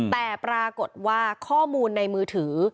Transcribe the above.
แต่ปรากฏว่าข้อมูลในมือถือ